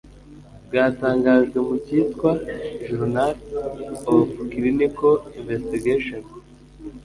bwatangajwe mu cyitwa 'journal of clinical investigation